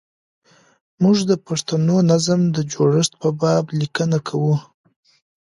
موږ د پښتو نظم د جوړښت په باب لیکنه کوو.